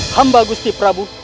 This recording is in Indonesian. hamba gusti prabu